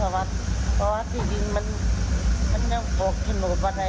เอามาเป็นอำเภอบ้านด่าน